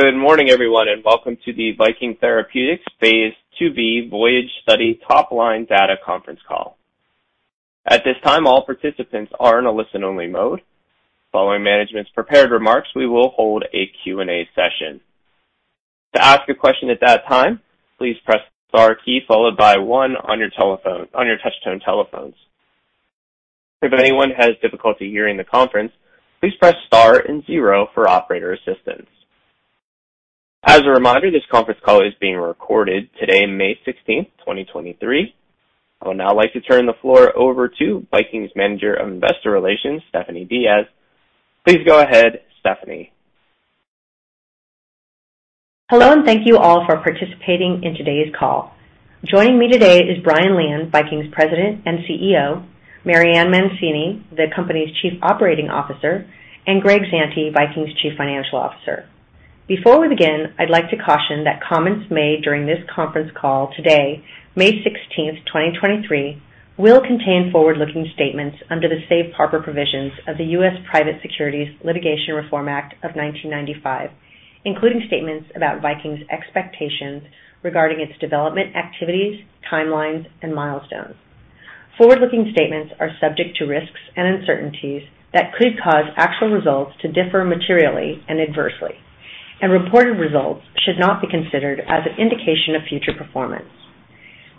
Good morning, everyone, welcome to the Viking Therapeutics phase 2b VOYAGE Study Top Line Data Conference Call. At this time, all participants are in a listen-only mode. Following management's prepared remarks, we will hold a Q&A session. To ask a question at that time, please press star key followed by one on your touchtone telephones. If anyone has difficulty hearing the conference, please press star and zero for operator assistance. As a reminder, this conference call is being recorded today, May 16th, 2023. I would now like to turn the floor over to Viking's Manager of Investor Relations, Stephanie Diaz. Please go ahead, Stephanie. Hello, and thank you all for participating in today's call. Joining me today is Brian Lian, Viking's President and CEO, Marianne Mancini, the company's Chief Operating Officer, and Greg Zand, Viking's Chief Financial Officer. Before we begin, I'd like to caution that comments made during this conference call today, May 16, 2023, will contain forward-looking statements under the Safe Harbor provisions of the U.S. Private Securities Litigation Reform Act of 1995, including statements about Viking's expectations regarding its development activities, timelines and milestones. Forward-looking statements are subject to risks and uncertainties that could cause actual results to differ materially and adversely. Reported results should not be considered as an indication of future performance.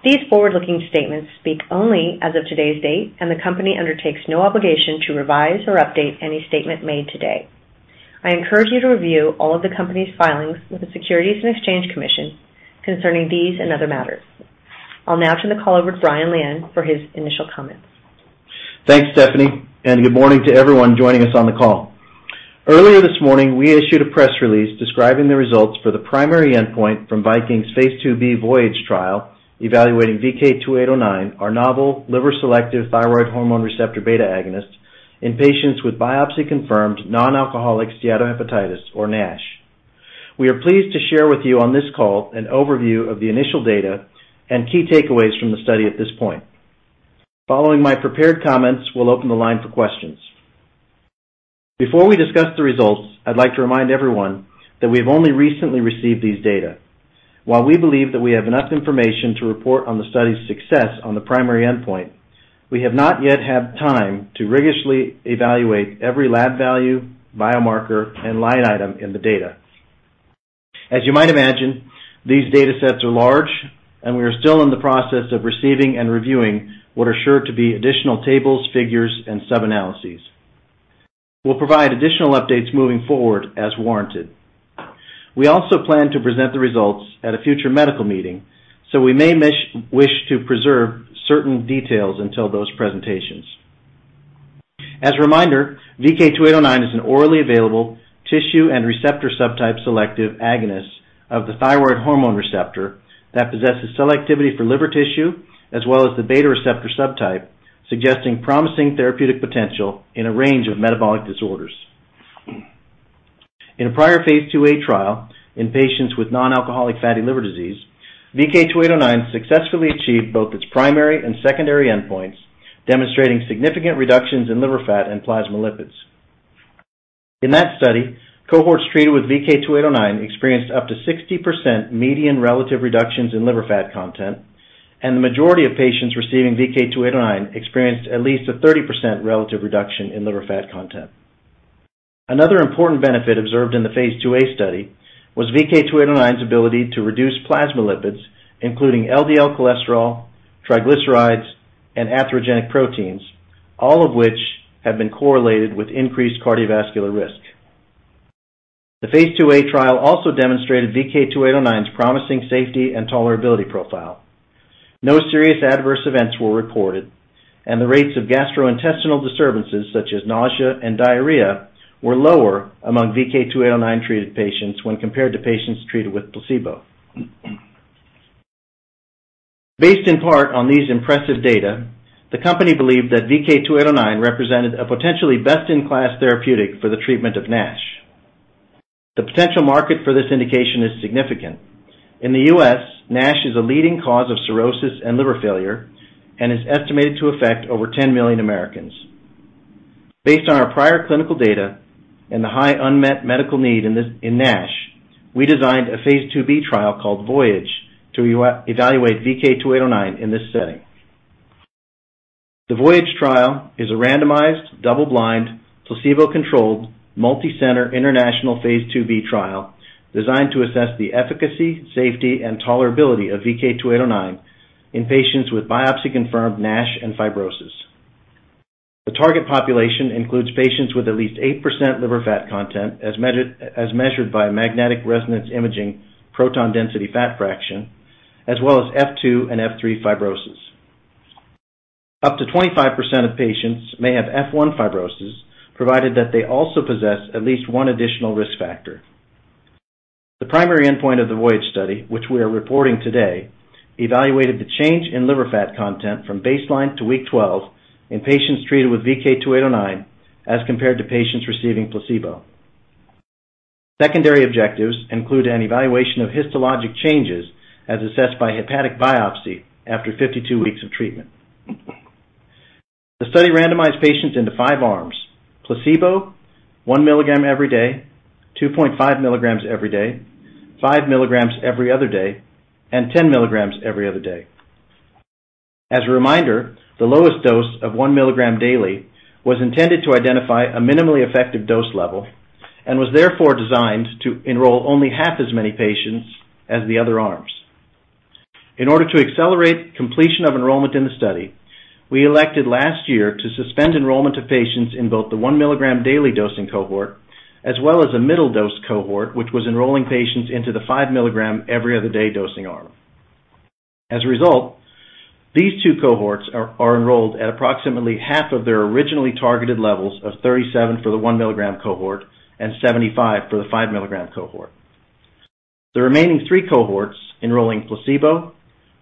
These forward-looking statements speak only as of today's date, and the company undertakes no obligation to revise or update any statement made today. I encourage you to review all of the company's filings with the Securities and Exchange Commission concerning these and other matters. I'll now turn the call over to Brian Lian for his initial comments. Thanks, Stephanie, and good morning to everyone joining us on the call. Earlier this morning, we issued a press release describing the results for the primary endpoint from Viking's Phase 2b VOYAGE trial evaluating VK2809, our novel liver selective thyroid hormone receptor beta agonist in patients with biopsy-confirmed non-alcoholic steatohepatitis or NASH. We are pleased to share with you on this call an overview of the initial data and key takeaways from the study at this point. Following my prepared comments, we'll open the line for questions. Before we discuss the results, I'd like to remind everyone that we've only recently received these data. While we believe that we have enough information to report on the study's success on the primary endpoint, we have not yet had time to rigorously evaluate every lab value, biomarker, and line item in the data. As you might imagine, these datasets are large. We are still in the process of receiving and reviewing what are sure to be additional tables, figures, and sub-analyses. We'll provide additional updates moving forward as warranted. We also plan to present the results at a future medical meeting, so we may wish to preserve certain details until those presentations. As a reminder, VK2809 is an orally available tissue and receptor subtype selective agonist of the thyroid hormone receptor that possesses selectivity for liver tissue as well as the beta receptor subtype, suggesting promising therapeutic potential in a range of metabolic disorders. In a prior phase IIA trial in patients with non-alcoholic fatty liver disease, VK2809 successfully achieved both its primary and secondary endpoints, demonstrating significant reductions in liver fat and plasma lipids. In that study, cohorts treated with VK2809 experienced up to 60% median relative reductions in liver fat content, and the majority of patients receiving VK2809 experienced at least a 30% relative reduction in liver fat content. Another important benefit observed in the phase 2a study was VK2809's ability to reduce plasma lipids, including LDL cholesterol, triglycerides, and atherogenic proteins, all of which have been correlated with increased cardiovascular risk. The phase IIa trial also demonstrated VK2809's promising safety and tolerability profile. No serious adverse events were reported, and the rates of gastrointestinal disturbances, such as nausea and diarrhea, were lower among VK2809-treated patients when compared to patients treated with placebo. Based in part on these impressive data, the company believed that VK2809 represented a potentially best-in-class therapeutic for the treatment of NASH. The potential market for this indication is significant. In the U.S., NASH is a leading cause of cirrhosis and liver failure and is estimated to affect over 10 million Americans. Based on our prior clinical data and the high unmet medical need in NASH, we designed a phase IIb trial called VOYAGE to evaluate VK2809 in this setting. The VOYAGE trial is a randomized, double-blind, placebo-controlled, multicenter international phase IIb trial designed to assess the efficacy, safety, and tolerability of VK2809 in patients with biopsy-confirmed NASH and fibrosis. The target population includes patients with at least 8% liver fat content as measured by magnetic resonance imaging-proton density fat fraction, as well as F2 and F3 fibrosis. Up to 25% of patients may have F1 fibrosis, provided that they also possess at least one additional risk factor. The primary endpoint of the VOYAGE study, which we are reporting today, evaluated the change in liver fat content from baseline to week 12 in patients treated with VK2809 as compared to patients receiving placebo. Secondary objectives include an evaluation of histologic changes as assessed by hepatic biopsy after 52 weeks of treatment. The study randomized patients into five arms: placebo, 1 milligram every day, 2.5 milligrams every day, 5 milligrams every other day, and 10 milligrams every other day. As a reminder, the lowest dose of 1 milligram daily was intended to identify a minimally effective dose level and was therefore designed to enroll only half as many patients as the other arms. In order to accelerate completion of enrollment in the study, we elected last year to suspend enrollment of patients in both the 1 milligram daily dosing cohort as well as a middle dose cohort, which was enrolling patients into the 5 milligram every other day dosing arm. As a result, these two cohorts are enrolled at approximately half of their originally targeted levels of 37 for the 1 milligram cohort and 75 for the 5 milligram cohort. The remaining three cohorts enrolling placebo,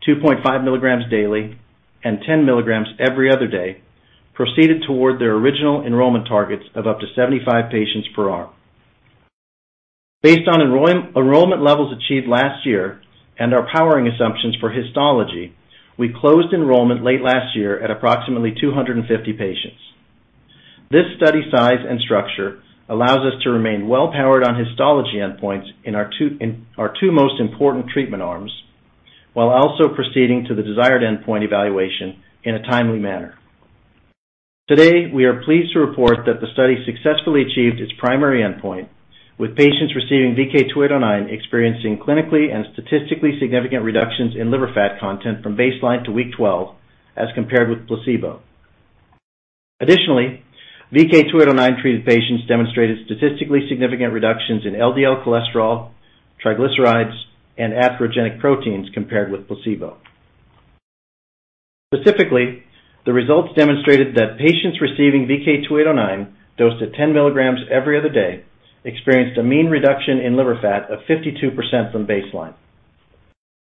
2.5 milligrams daily, and 10 milligrams every other day, proceeded toward their original enrollment targets of up to 75 patients per arm. Based on enrollment levels achieved last year and our powering assumptions for histology, we closed enrollment late last year at approximately 250 patients. This study size and structure allows us to remain well powered on histology endpoints in our two most important treatment arms, while also proceeding to the desired endpoint evaluation in a timely manner. Today, we are pleased to report that the study successfully achieved its primary endpoint, with patients receiving VK2809 experiencing clinically and statistically significant reductions in liver fat content from baseline to week 12 as compared with placebo. VK2809 treated patients demonstrated statistically significant reductions in LDL cholesterol, triglycerides, and atherogenic proteins compared with placebo. Specifically, the results demonstrated that patients receiving VK2809 dosed at 10 milligrams every other day, experienced a mean reduction in liver fat of 52% from baseline.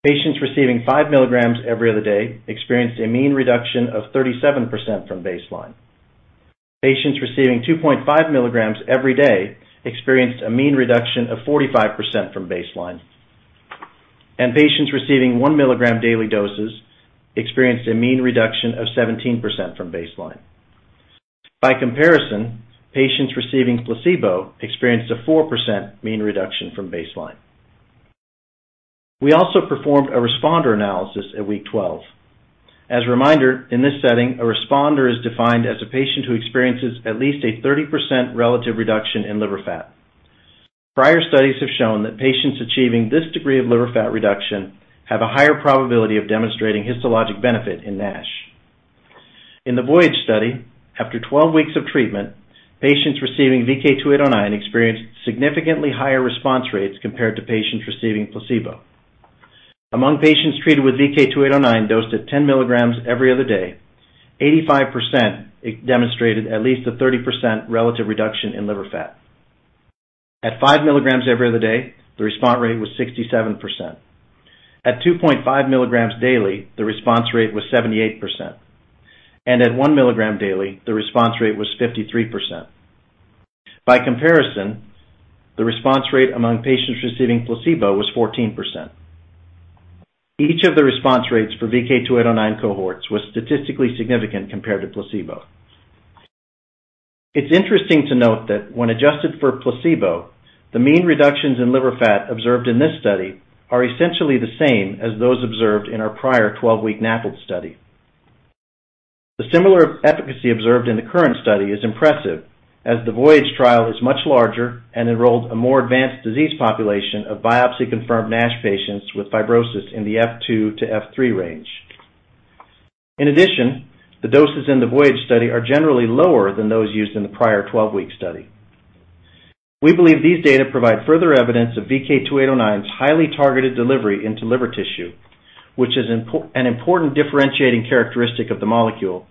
Patients receiving 5 milligrams every other day experienced a mean reduction of 37% from baseline. Patients receiving 2.5 milligrams every day experienced a mean reduction of 45% from baseline. Patients receiving 1 milligram daily doses experienced a mean reduction of 17% from baseline. By comparison, patients receiving placebo experienced a 4% mean reduction from baseline. We also performed a responder analysis at week 12. As a reminder, in this setting, a responder is defined as a patient who experiences at least a 30% relative reduction in liver fat. Prior studies have shown that patients achieving this degree of liver fat reduction have a higher probability of demonstrating histologic benefit in NASH. In the VOYAGE study, after 12 weeks of treatment, patients receiving VK2809 experienced significantly higher response rates compared to patients receiving placebo. Among patients treated with VK2809 dosed at 10 milligrams every other day, 85% demonstrated at least a 30% relative reduction in liver fat. At 5 milligrams every other day, the response rate was 67%. At 2.5 milligrams daily, the response rate was 78%. At 1 milligram daily, the response rate was 53%. By comparison, the response rate among patients receiving placebo was 14%. Each of the response rates for VK2809 cohorts was statistically significant compared to placebo. It's interesting to note that when adjusted for placebo, the mean reductions in liver fat observed in this study are essentially the same as those observed in our prior 12-week NAFLD study. The similar efficacy observed in the current study is impressive, as the VOYAGE trial is much larger and enrolled a more advanced disease population of biopsy-confirmed NASH patients with fibrosis in the F2 to F3 range. In addition, the doses in the VOYAGE study are generally lower than those used in the prior 12-week study. We believe these data provide further evidence of VK2809's highly targeted delivery into liver tissue, which is an important differentiating characteristic of the molecule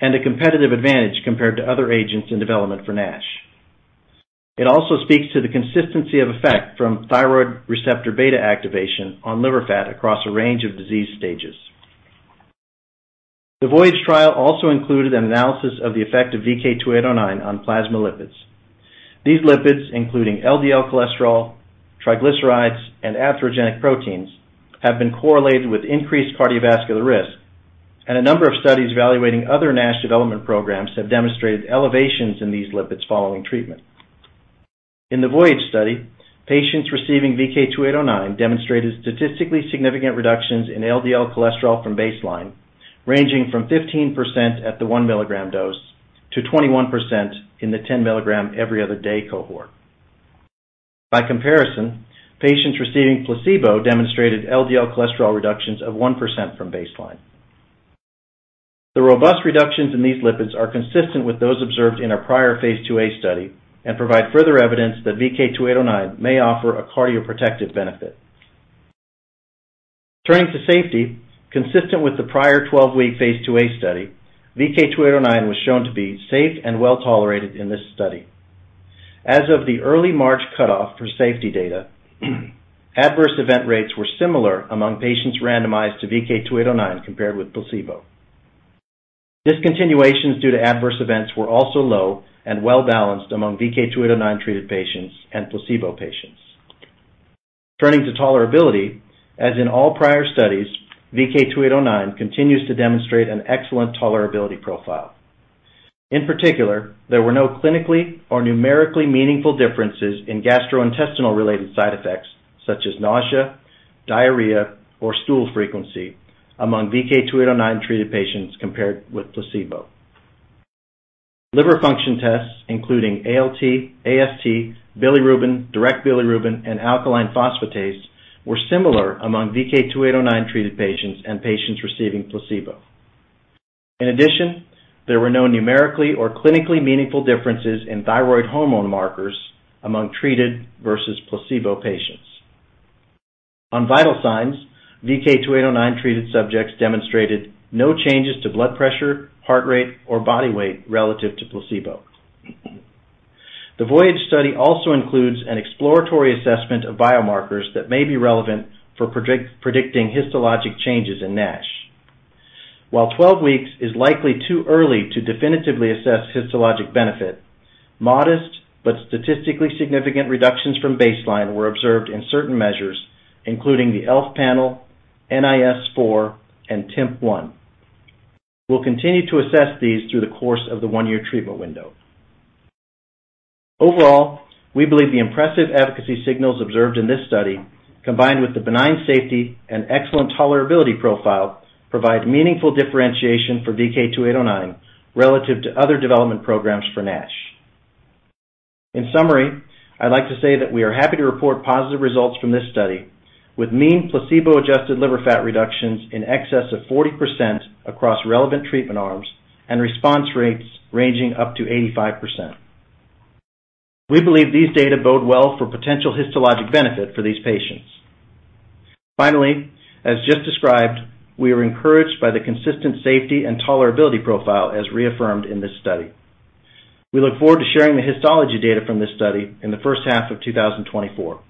and a competitive advantage compared to other agents in development for NASH. It also speaks to the consistency of effect from thyroid receptor beta activation on liver fat across a range of disease stages. The VOYAGE trial also included an analysis of the effect of VK2809 on plasma lipids. These lipids, including LDL cholesterol, triglycerides, and atherogenic proteins, have been correlated with increased cardiovascular risk and a number of studies evaluating other NASH development programs have demonstrated elevations in these lipids following treatment. In the VOYAGE study, patients receiving VK2809 demonstrated statistically significant reductions in LDL cholesterol from baseline, ranging from 15% at the 1 milligram dose to 21% in the 10 milligram every other day cohort. By comparison, patients receiving placebo demonstrated LDL cholesterol reductions of 1% from baseline. The robust reductions in these lipids are consistent with those observed in our prior phase IIa study and provide further evidence that VK2809 may offer a cardioprotective benefit. Turning to safety. Consistent with the prior 12-week phase IIa study, VK2809 was shown to be safe and well-tolerated in this study. As of the early March cutoff for safety data, adverse event rates were similar among patients randomized to VK2809 compared with placebo. Discontinuations due to adverse events were also low and well-balanced among VK2809 treated patients and placebo patients. Turning to tolerability, as in all prior studies, VK2809 continues to demonstrate an excellent tolerability profile. In particular, there were no clinically or numerically meaningful differences in gastrointestinal-related side effects such as nausea, diarrhea, or stool frequency among VK2809-treated patients compared with placebo. Liver function tests, including ALT, AST, bilirubin, direct bilirubin, and alkaline phosphatase were similar among VK2809-treated patients and patients receiving placebo. There were no numerically or clinically meaningful differences in thyroid hormone markers among treated versus placebo patients. On vital signs, VK2809-treated subjects demonstrated no changes to blood pressure, heart rate, or body weight relative to placebo. The VOYAGE study also includes an exploratory assessment of biomarkers that may be relevant for predicting histologic changes in NASH. While 12 weeks is likely too early to definitively assess histologic benefit, modest but statistically significant reductions from baseline were observed in certain measures, including the ELF Test, NIS4, and TIMP-1. We'll continue to assess these through the course of the 1-year treatment window. Overall, we believe the impressive efficacy signals observed in this study, combined with the benign safety and excellent tolerability profile, provide meaningful differentiation for VK2809 relative to other development programs for NASH. In summary, I'd like to say that we are happy to report positive results from this study with mean placebo-adjusted liver fat reductions in excess of 40 across relevant treatment arms and response rates ranging up to 85%. We believe these data bode well for potential histologic benefit for these patients. Finally, as just described, we are encouraged by the consistent safety and tolerability profile as reaffirmed in this study. We look forward to sharing the histology data from this study in the first half of 2024.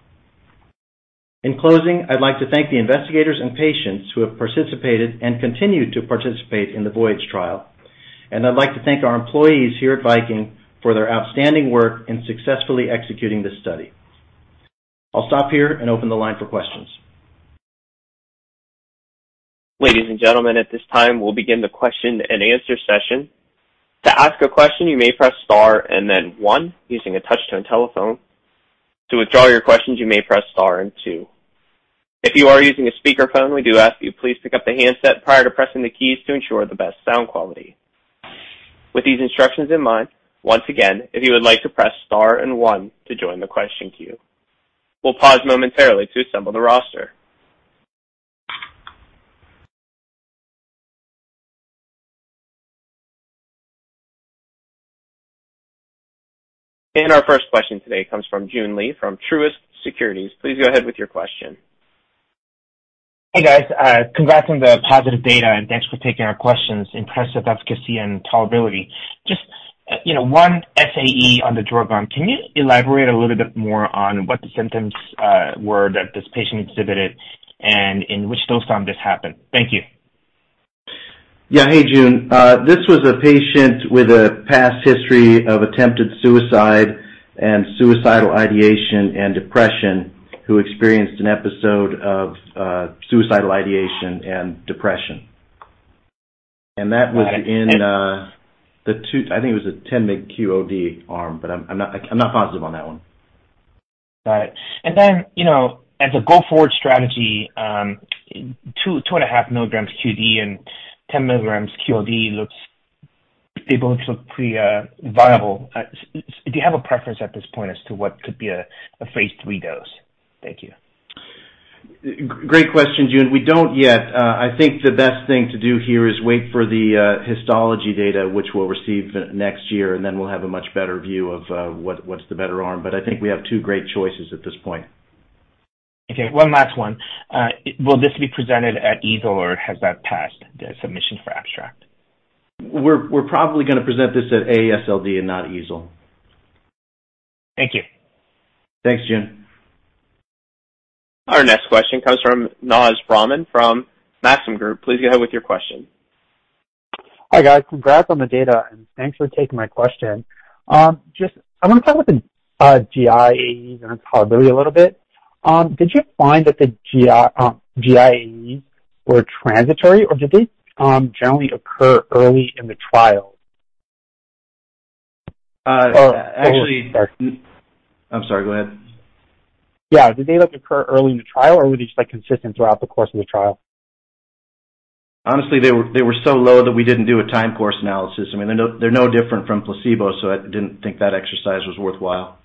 In closing, I'd like to thank the investigators and patients who have participated and continue to participate in the VOYAGE trial. I'd like to thank our employees here at Viking for their outstanding work in successfully executing this study. I'll stop here and open the line for questions. Ladies and gentlemen, at this time, we'll begin the question-and-answer session. To ask a question, you may press star and then two using a touch-tone telephone. To withdraw your questions, you may press star and two. If you are using a speakerphone, we do ask you please pick up the handset prior to pressing the keys to ensure the best sound quality. With these instructions in mind, once again, if you would like to press star and one to join the question queue. We'll pause momentarily to assemble the roster. Our first question today comes from Joon Lee from Truist Securities. Please go ahead with your question. Hey, guys. Congrats on the positive data. Thanks for taking our questions. Impressive efficacy and tolerability. Just, you know, one SAE on the drug arm. Can you elaborate a little bit more on what the symptoms were that this patient exhibited and in which dose arm this happened? Thank you. Yeah. Hey, Joon. This was a patient with a past history of attempted suicide and suicidal ideation and depression who experienced an episode of suicidal ideation and depression. That was in, I think it was a 10 mig QOD arm, but I'm not positive on that one. Got it. you know, as a go-forward strategy, 2.5 milligrams QD and 10 milligrams QOD they both look pretty viable. do you have a preference at this point as to what could be a Phase III dose? Thank you. Great question, Joon. We don't yet. I think the best thing to do here is wait for the histology data, which we'll receive next year, and then we'll have a much better view of what's the better arm. I think we have two great choices at this point. Okay, one last one. Will this be presented at EASL or has that passed the submission for abstract? We're probably gonna present this at AASLD and not EASL. Thank you. Thanks, Joon. Our next question comes from Naz Rahman from Maxim Group. Please go ahead with your question. Hi, guys. Congrats on the data. Thanks for taking my question. Just I wanna talk with the GIAE and tolerability a little bit. Did you find that the GI GIAE were transitory, or did they generally occur early in the trial? Uh, actually- Sorry. I'm sorry. Go ahead. Yeah. Did they, like, occur early in the trial, or were they just, like, consistent throughout the course of the trial? Honestly, they were so low that we didn't do a time course analysis. I mean, they're no different from placebo. I didn't think that exercise was worthwhile.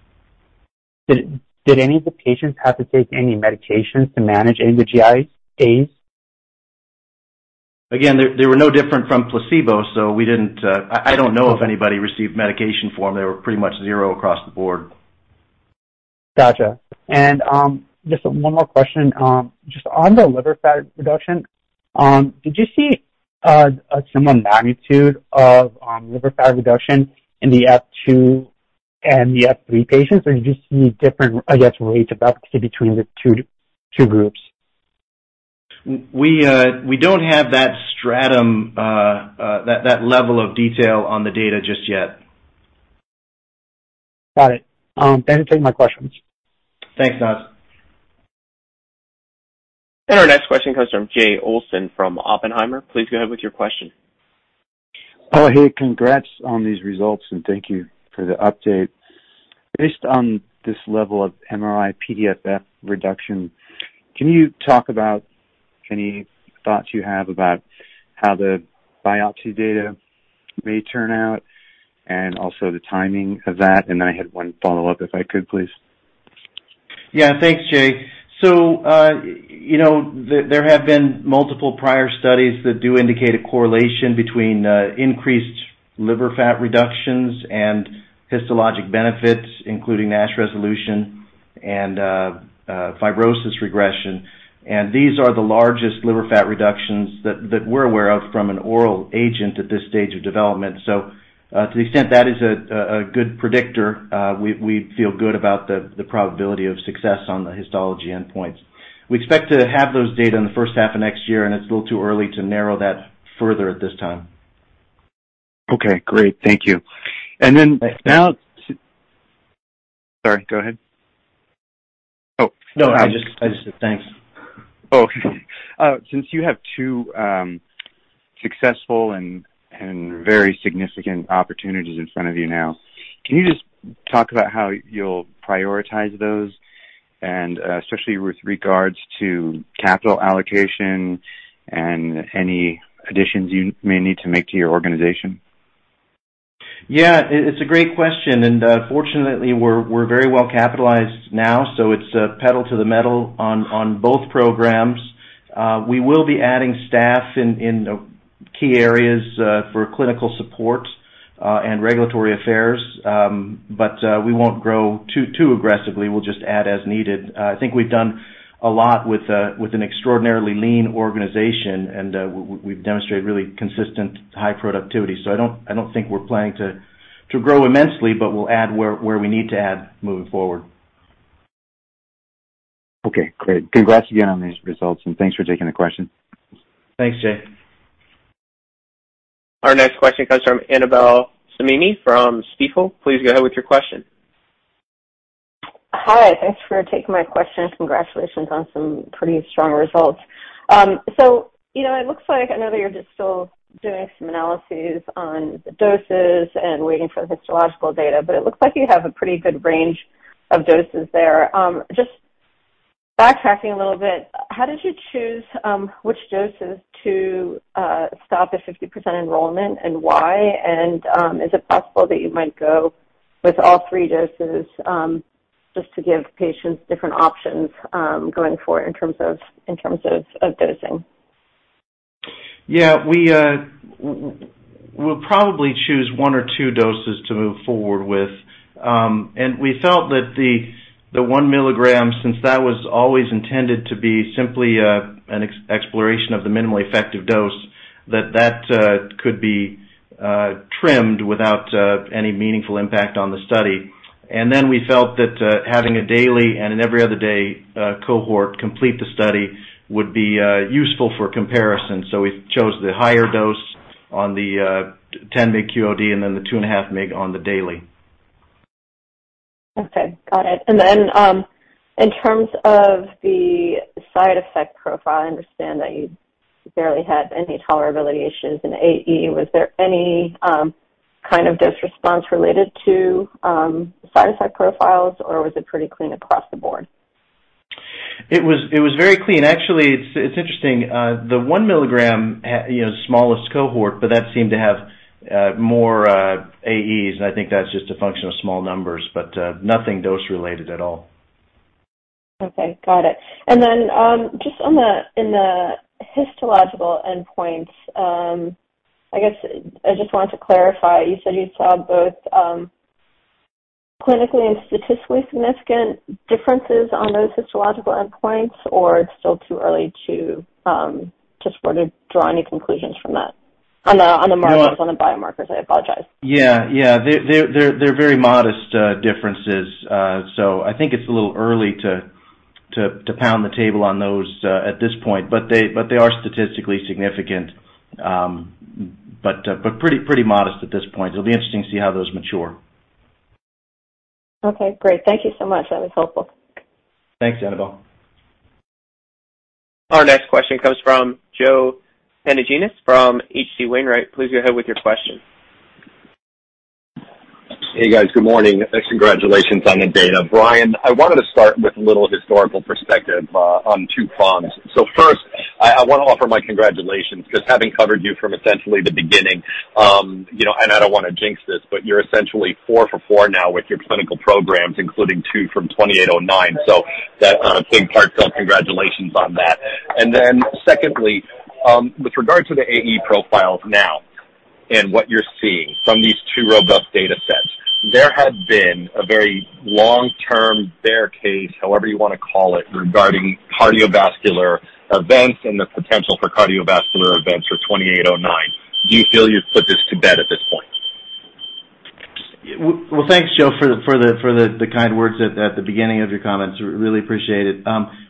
Did any of the patients have to take any medications to manage any of the GI AEs? They were no different from placebo, so we didn't, I don't know if anybody received medication for them. They were pretty much zero across the board. Gotcha. Just one more question. Just on the liver fat reduction, did you see a similar magnitude of liver fat reduction in the F2 and the F3 patients, or did you see different, I guess, rates of efficacy between the two groups? We don't have that stratum, that level of detail on the data just yet. Got it. Thanks for taking my questions. Thanks, Don. Our next question comes from Jay Olson from Oppenheimer. Please go ahead with your question. Oh, hey, congrats on these results, and thank you for the update. Based on this level of MRI-PDFF reduction, can you talk about any thoughts you have about how the biopsy data may turn out and also the timing of that? I had one follow-up, if I could please. Yeah. Thanks, Jay. You know, there have been multiple prior studies that do indicate a correlation between increased liver fat reductions and histologic benefits, including NASH resolution and fibrosis regression. These are the largest liver fat reductions that we're aware of from an oral agent at this stage of development. To the extent that is a good predictor, we feel good about the probability of success on the histology endpoints. We expect to have those data in the first half of next year, and it's a little too early to narrow that further at this time. Okay. Great. Thank you. Sorry, go ahead. Oh. No, I just said thanks. Since you have two successful and very significant opportunities in front of you now, can you just talk about how you'll prioritize those and especially with regards to capital allocation and any additions you may need to make to your organization? Yeah. It's a great question. Fortunately, we're very well capitalized now, so it's pedal to the metal on both programs. We will be adding staff in key areas, for clinical support, and regulatory affairs. We won't grow too aggressively. We'll just add as needed. I think we've done a lot with an extraordinarily lean organization, and we've demonstrated really consistent high productivity. I don't, I don't think we're planning to grow immensely, but we'll add where we need to add moving forward. Okay. Great. Congrats again on these results. Thanks for taking the question. Thanks, Jay. Our next question comes from Annabel Samimy from Stifel. Please go ahead with your question. Hi. Thanks for taking my question. Congratulations on some pretty strong results. You know, it looks like I know that you're just still doing some analyses on the doses and waiting for the histological data, but it looks like you have a pretty good range of doses there. Just backtracking a little bit, how did you choose which doses to stop at 50% enrollment, and why? Is it possible that you might go with all three doses just to give patients different options going forward in terms of dosing? Yeah. We'll probably choose 1 or 2 doses to move forward with. We felt that the 1 milligram, since that was always intended to be simply an exploration of the minimally effective dose, that that could be trimmed without any meaningful impact on the study. Then we felt that having a daily and an every other day cohort complete the study would be useful for comparison. We chose the higher dose on the 10 mg QOD and then the 2.5 mg on the daily. Okay. Got it. In terms of the side effect profile, I understand that you barely had any tolerability issues in AE. Was there any, kind of dose response related to, the side effect profiles, or was it pretty clean across the board? It was very clean. Actually, it's interesting. The 1 milligram you know, smallest cohort, but that seemed to have more AEs, and I think that's just a function of small numbers, but nothing dose related at all. Okay. Got it. Just on the, in the histological endpoints, I guess I just wanted to clarify, you said you saw both, clinically and statistically significant differences on those histological endpoints, or it's still too early to sort of draw any conclusions from that? On the, on the markers. No. On the biomarkers. I apologize. Yeah. They're very modest differences. I think it's a little early to pound the table on those at this point, but they are statistically significant. pretty modest at this point. It'll be interesting to see how those mature. Okay, great. Thank you so much. That was helpful. Thanks, Annabel. Our next question comes from Joseph Pantginis from H.C. Wainwright & Co. Please go ahead with your question. Hey, guys. Good morning. Congratulations on the data. Brian, I wanted to start with a little historical perspective on two fronts. First, I wanna offer my congratulations 'cause having covered you from essentially the beginning, you know, and I don't wanna jinx this, but you're essentially four for four now with your clinical programs, including two from VK2809. That, being part done, congratulations on that. Secondly, with regard to the AE profiles now and what you're seeing from these two robust data sets, there had been a very long-term bear case, however you wanna call it, regarding cardiovascular events and the potential for cardiovascular events for VK2809. Do you feel you've put this to bed at this point? Well, thanks, Joe, for the kind words at the beginning of your comments. Really appreciate it.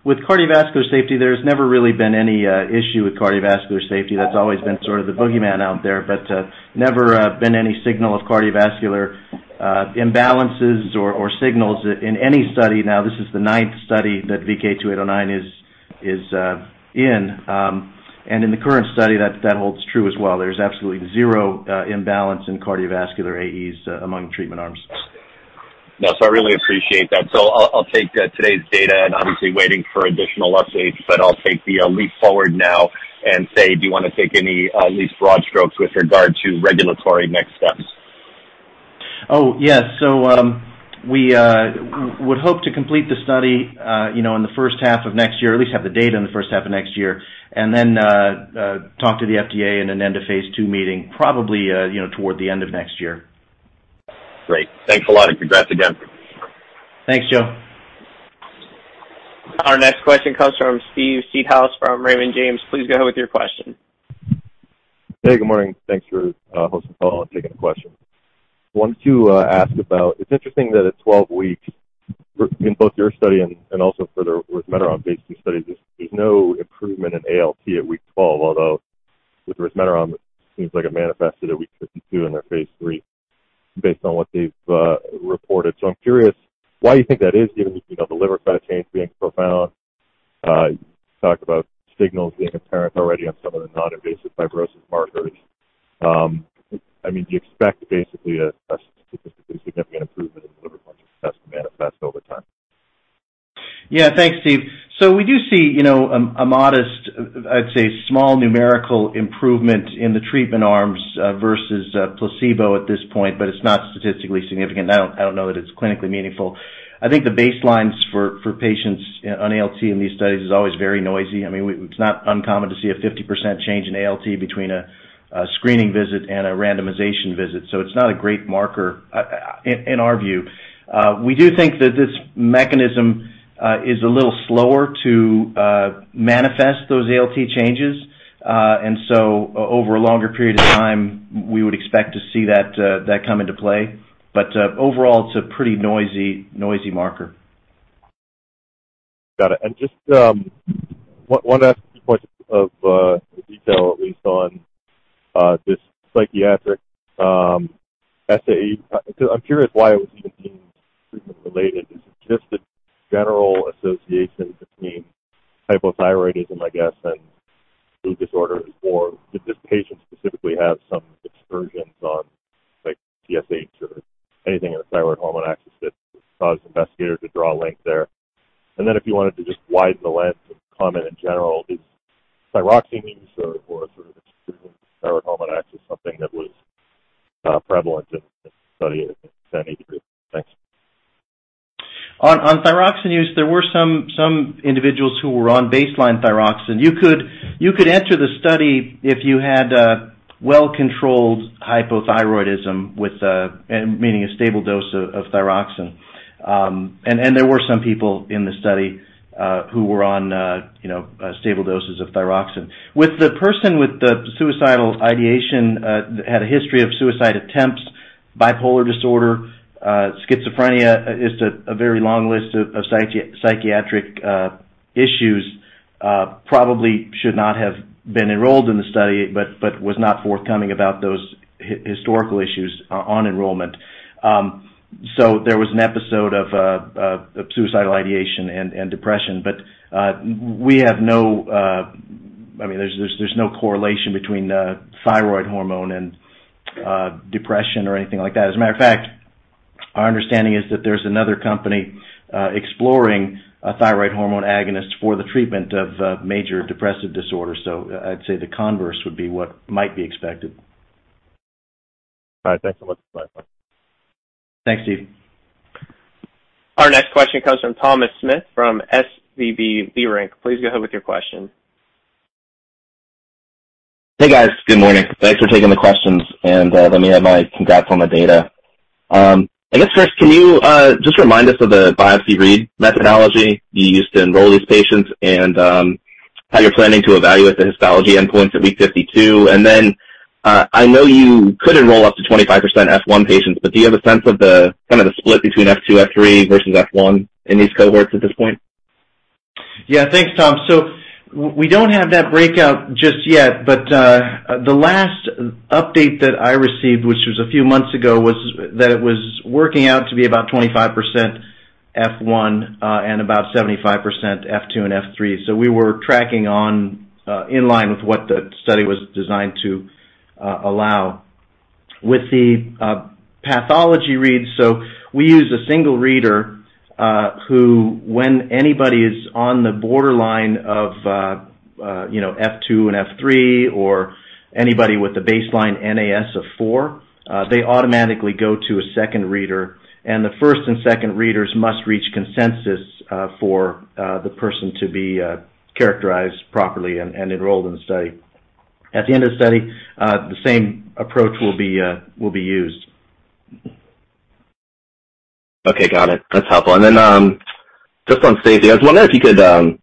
With cardiovascular safety, there's never really been any issue with cardiovascular safety. That's always been sort of the boogeyman out there, but never been any signal of cardiovascular imbalances or signals in any study. This is the ninth study that VK2809 is in. In the current study that holds true as well. There's absolutely zero imbalance in cardiovascular AEs among treatment arms. Yes, I really appreciate that. I'll take today's data and obviously waiting for additional updates, but I'll take the leap forward now and say, do you wanna take any, at least broad strokes with regard to regulatory next steps? Yes. We would hope to complete the study, you know, in the first half of next year, at least have the data in the first half of next year. Talk to the FDA in an end-of-Phase 2 meeting, probably, you know, toward the end of next year. Great. Thanks a lot, and congrats again. Thanks, Joe. Our next question comes from Steven Seedhouse from Raymond James. Please go ahead with your question. Hey, good morning. Thanks for hosting the call and taking the question. Wanted to ask about, it's interesting that at 12 weeks in both your study and also for the resmetirom phase II study, there's no improvement in ALT at week 12, although with resmetirom, it seems like it manifested at week 52 in their phase III based on what they've reported. I'm curious why you think that is given, you know, the liver size change being profound. You talk about signals being apparent already on some of the non-invasive fibrosis markers. I mean, do you expect basically a statistically significant improvement in liver function test to manifest over time? Thanks, Steve. We do see, you know, a modest, I'd say small numerical improvement in the treatment arms versus placebo at this point, but it's not statistically significant. I don't know that it's clinically meaningful. I think the baselines for patients on ALT in these studies is always very noisy. I mean, it's not uncommon to see a 50% change in ALT between a screening visit and a randomization visit. It's not a great marker in our view. We do think that this mechanism is a little slower to manifest those ALT changes. Over a longer period of time, we would expect to see that come into play. Overall, it's a pretty noisy marker. Got it. Just one last point of detail at least on this psychiatric essay. I'm curious why it was even being treatment-related. Is it just a general association between hypothyroidism, I guess, and food disorders, or did this patient specifically have some excursions on like TSH or anything in the thyroid hormone axis that caused the investigator to draw a link there? Then if you wanted to just widen the lens and comment in general, is thyroxine use or sort of exclusion thyroid hormone axis something that was prevalent in this study at 70 degrees? Thanks. On thyroxine use, there were some individuals who were on baseline thyroxine. You could enter the study if you had well-controlled hypothyroidism with meaning a stable dose of thyroxine. there were some people in the study who were on, you know, stable doses of thyroxine. With the person with the suicidal ideation had a history of suicide attempts, bipolar disorder, schizophrenia, just a very long list of psychiatric issues, probably should not have been enrolled in the study, but was not forthcoming about those historical issues on enrollment. there was an episode of suicidal ideation and depression. we have no... I mean, there's no correlation between the thyroid hormone and depression or anything like that. As a matter of fact, our understanding is that there's another company, exploring a thyroid hormone agonist for the treatment of, major depressive disorder. I'd say the converse would be what might be expected. All right. Thanks so much. Bye-bye. Thanks, Steve. Our next question comes from Thomas Smith from B. Riley Securities. Please go ahead with your question. Hey, guys. Good morning. Thanks for taking the questions. Let me add my congrats on the data. I guess first, can you, just remind us of the biopsy read methodology you used to enroll these patients and, how you're planning to evaluate the histology endpoints at week 52? I know you could enroll up to 25% F1 patients, but do you have a sense of the, kind of the split between F2, F3 versus F1 in these cohorts at this point? Yeah. Thanks, Tom. we don't have that breakout just yet, but the last update that I received, which was a few months ago, was that it was working out to be about 25% F1 and about 75% F2 and F3. we were tracking on in line with what the study was designed to allow. With the pathology read, we use a single reader who when anybody is on the borderline of, you know, F2 and F3 or anybody with a baseline NAS of four, they automatically go to a second reader. the first and second readers must reach consensus for the person to be characterized properly and enrolled in the study. At the end of the study, the same approach will be used. Okay. Got it. That's helpful. Just on safety, I was wondering if you could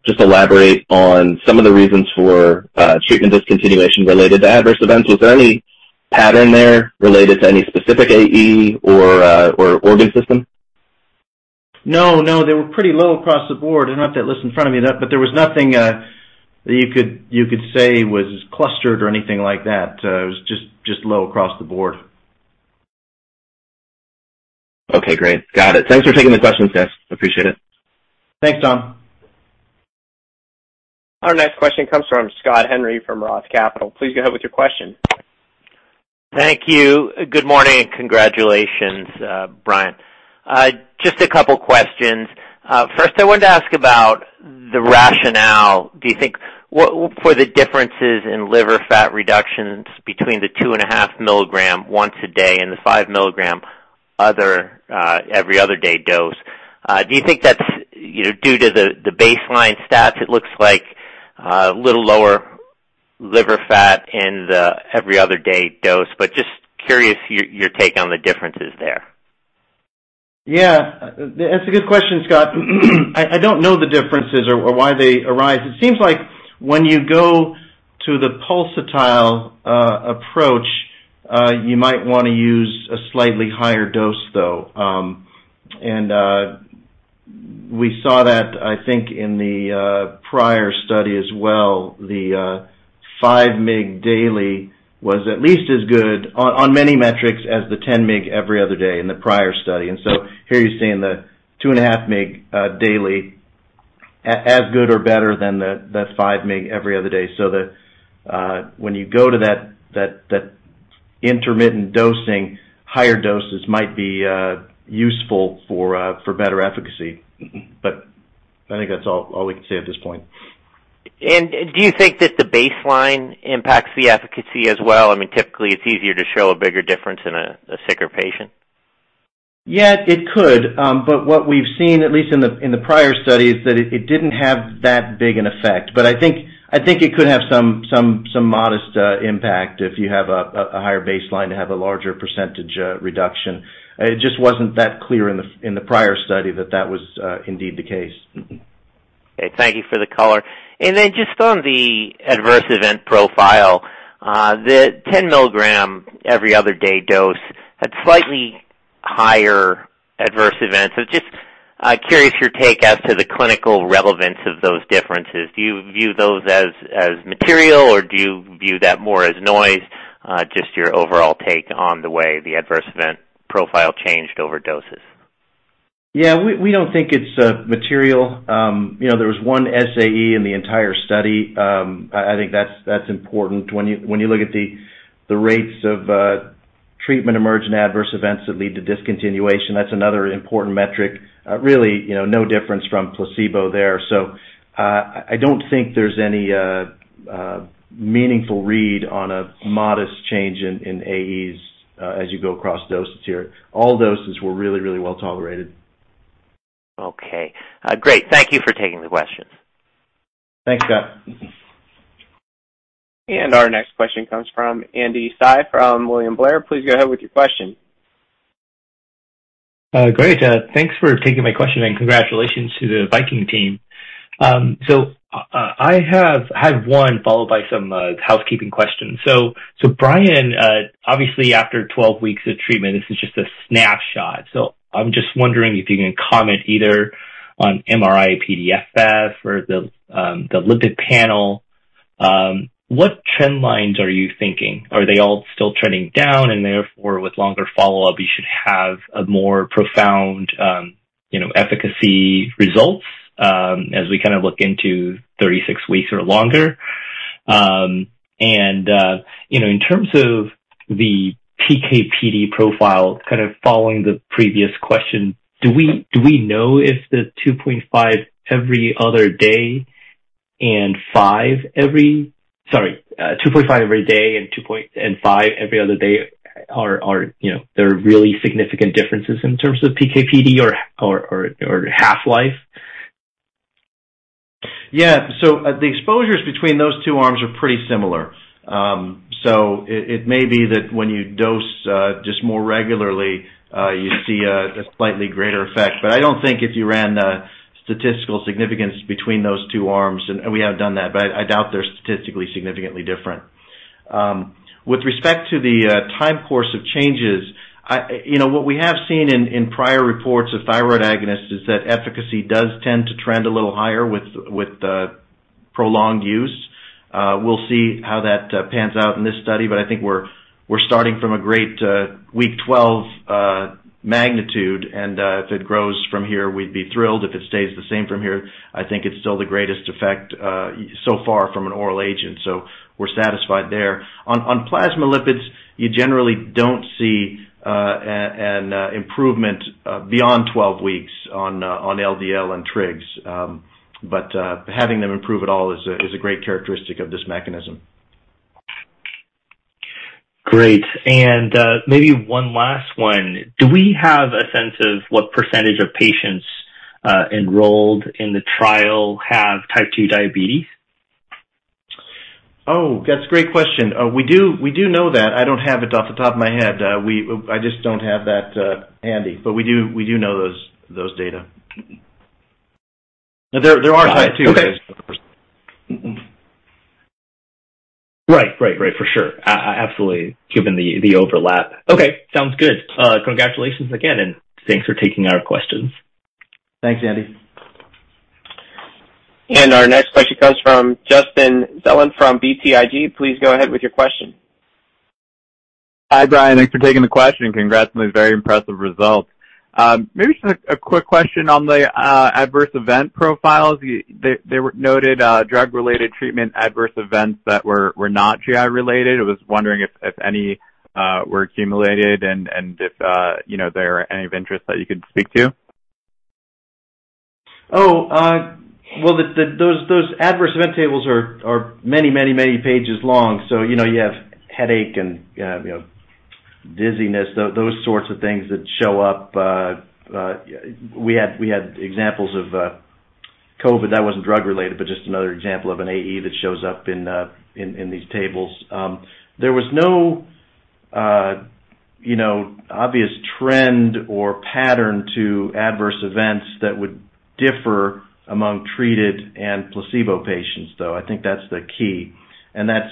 just elaborate on some of the reasons for treatment discontinuation related to adverse events. Was there any pattern there related to any specific AE or organ system? No, no. They were pretty low across the board. I don't have that list in front of me, but there was nothing, that you could say was clustered or anything like that. It was just low across the board. Okay, great. Got it. Thanks for taking the questions, guys. Appreciate it. Thanks, Tom. Our next question comes from Scott Henry from ROTH Capital Partners. Please go ahead with your question. Thank you. Good morning. Congratulations, Brian. Just a couple questions. First, I wanted to ask about the rationale. For the differences in liver fat reductions between the 2.5 milligram once a day and the 5 milligram every other day dose, do you think that's, you know, due to the baseline stats? It looks like a little lower liver fat in the every other day dose, just curious your take on the differences there. Yeah. That's a good question, Scott. I don't know the differences or why they arise. It seems like when you go to the pulsatile approach, you might wanna use a slightly higher dose, though. And we saw that, I think, in the prior study as well. The 5 mg daily was at least as good on many metrics as the 10 mg every other day in the prior study. Here you're seeing the 2.5 mg daily as good or better than the 5 mg every other day. When you go to that intermittent dosing, higher doses might be useful for better efficacy. I think that's all we can say at this point. Do you think that the baseline impacts the efficacy as well? I mean, typically it's easier to show a bigger difference in a sicker patient. Yeah, it could. What we've seen, at least in the prior study, is that it didn't have that big an effect. I think it could have some modest impact if you have a higher baseline to have a larger % reduction. It just wasn't that clear in the prior study that was indeed the case. Okay, thank you for the color. Just on the adverse event profile, the 10 milligram every other day dose had slightly higher adverse events. Just curious your take as to the clinical relevance of those differences. Do you view those as material, or do you view that more as noise? Just your overall take on the way the adverse event profile changed over doses. We don't think it's material. You know, there was 1 SAE in the entire study. I think that's important. When you look at the rates of treatment-emergent adverse events that lead to discontinuation, that's another important metric. Really, you know, no difference from placebo there. I don't think there's any meaningful read on a modest change in AEs as you go across doses here. All doses were really, really well tolerated. Okay. great. Thank you for taking the questions. Thanks, Scott. Our next question comes from Andy Tsai from William Blair. Please go ahead with your question. Great. Thanks for taking my question, and congratulations to the Viking team. I have one followed by some housekeeping questions. Brian, obviously after 12 weeks of treatment, this is just a snapshot. I'm just wondering if you can comment either on MRI-PDFF or the lipid panel. What trend lines are you thinking? Are they all still trending down and therefore with longer follow-up you should have a more profound, you know, efficacy results, as we kind of look into 36 weeks or longer? You know, in terms of the PK/PD profile, kind of following the previous question, do we know if the 2.5 every other day and 5 every... Sorry, 2.5 every day and 2.5 every other day are, you know, there are really significant differences in terms of PK/PD or half-life? Yeah. The exposures between those two arms are pretty similar. It may be that when you dose just more regularly, you see the slightly greater effect. I don't think if you ran a statistical significance between those two arms, and we haven't done that, I doubt they're statistically significantly different. With respect to the time course of changes, you know, what we have seen in prior reports of thyroid agonists is that efficacy does tend to trend a little higher with prolonged use. We'll see how that pans out in this study, I think we're starting from a great week 12 magnitude. If it grows from here, we'd be thrilled. If it stays the same from here, I think it's still the greatest effect so far from an oral agent. We're satisfied there. On plasma lipids, you generally don't see an improvement beyond 12 weeks on LDL and trigs. Having them improve at all is a great characteristic of this mechanism. Great. Maybe one last one. Do we have a sense of what percentage of patients enrolled in the trial have Type 2 diabetes? Oh, that's a great question. We do know that. I don't have it off the top of my head. I just don't have that handy. We do know those data. There are Type 2- Okay Right. Right, right. For sure. Absolutely, given the overlap. Okay, sounds good. Congratulations again, thanks for taking our questions. Thanks, Andy. Our next question comes from Justin Zelin from BTIG. Please go ahead with your question. Hi, Brian. Thanks for taking the question. Congrats on these very impressive results. Maybe just a quick question on the adverse event profiles. They were noted drug-related treatment adverse events that were not GI related. I was wondering if any were accumulated and if, you know, there are any of interest that you could speak to. Well, the those adverse event tables are many, many, many pages long, so, you know, you have headache and, you know, dizziness, those sorts of things that show up. We had examples of COVID. That wasn't drug-related, but just another example of an AE that shows up in these tables. There was no, you know, obvious trend or pattern to adverse events that would differ among treated and placebo patients, though. I think that's the key. That's,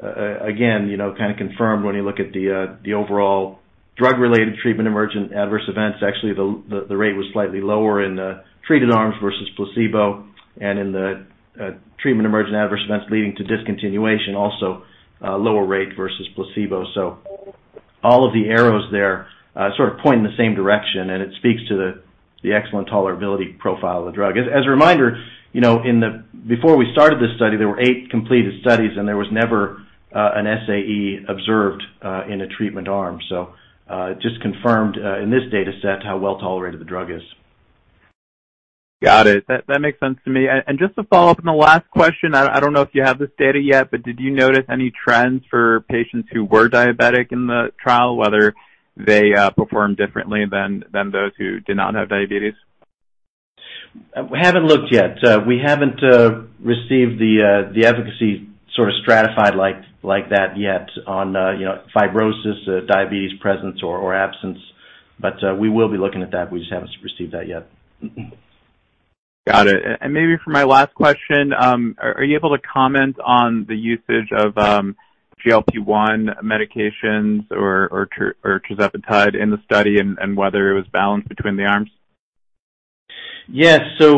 again, you know, kind of confirmed when you look at the overall drug-related treatment emergent adverse events. Actually, the rate was slightly lower in the treated arms versus placebo and in the treatment emergent adverse events leading to discontinuation, also, lower rate versus placebo. All of the arrows there, sort of point in the same direction, and it speaks to the excellent tolerability profile of the drug. As a reminder, you know, before we started this study, there were 8 completed studies, and there was never an SAE observed in a treatment arm. Just confirmed in this data set how well-tolerated the drug is. Got it. That makes sense to me. Just to follow up on the last question, I don't know if you have this data yet, but did you notice any trends for patients who were diabetic in the trial, whether they performed differently than those who did not have diabetes? We haven't looked yet. We haven't received the efficacy sort of stratified like that yet on, you know, fibrosis, diabetes presence or absence. We will be looking at that. We just haven't received that yet. Got it. Maybe for my last question, are you able to comment on the usage of GLP-1 medications or tirzepatide in the study and whether it was balanced between the arms? Yes. There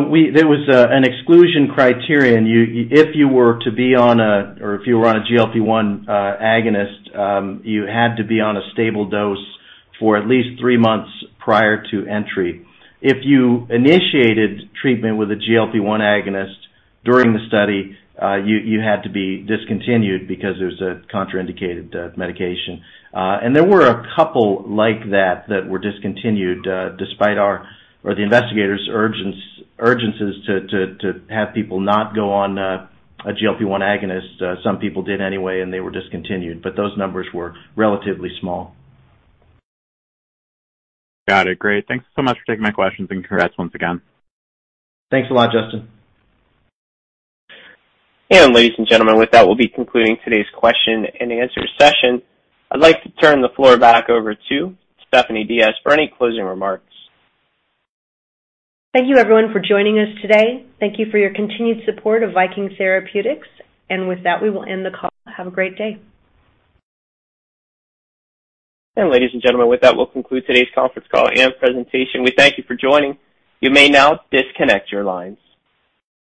was an exclusion criterion. If you were on a GLP-1 agonist, you had to be on a stable dose for at least 3 months prior to entry. If you initiated treatment with a GLP-1 agonist during the study, you had to be discontinued because it was a contraindicated medication. There were a couple like that were discontinued, despite our or the investigators urgences to have people not go on a GLP-1 agonist. Some people did anyway, and they were discontinued, but those numbers were relatively small. Got it. Great. Thanks so much for taking my questions and congrats once again. Thanks a lot, Justin. Ladies and gentlemen, with that, we'll be concluding today's question and answer session. I'd like to turn the floor back over to Stephanie Diaz for any closing remarks. Thank you, everyone, for joining us today. Thank you for your continued support of Viking Therapeutics. With that, we will end the call. Have a great day. Ladies and gentlemen, with that, we'll conclude today's conference call and presentation. We thank you for joining. You may now disconnect your lines.